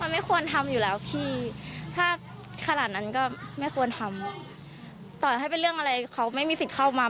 มันไม่ควรทำอยู่แล้วพี่ถ้าขนาดนั้นก็ไม่ควรทำต่อให้เป็นเรื่องอะไรเขาไม่มีสิทธิ์เข้ามา